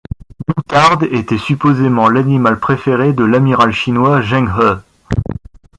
L'outarde était supposément l'animal préféré de l'amiral chinois Zheng He.